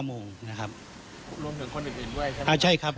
รวมถึงคนอื่นด้วยใช่ไหมครับ